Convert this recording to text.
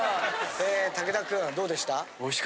武田君どうでした？